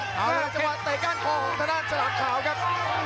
นี่น่าจะควรเปิดใต้ก้านของทะนานขลามขาวครับ